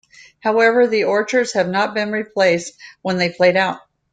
However, the orchards have not been replaced when they played out.